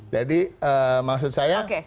jadi maksud saya